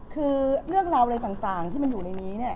คือเรื่องราวอะไรต่างที่มันอยู่ในนี้เนี่ย